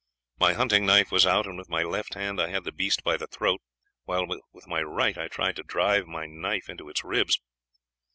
My hunting knife was out, and with my left hand I had the beast by the throat; while with my right I tried to drive my knife into its ribs.